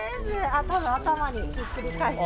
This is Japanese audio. あっ頭にひっくり返して。